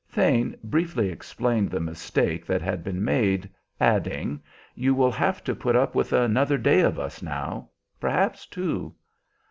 Thane briefly explained the mistake that had been made, adding, "You will have to put up with another day of us, now, perhaps two."